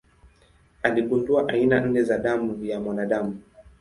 Aligundua aina nne za damu ya mwanadamu.